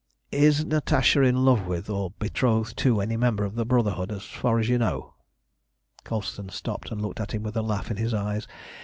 Is Natasha in love with, or betrothed to, any member of the Brotherhood as far as you know?" Colston stopped and looked at him with a laugh in his eyes.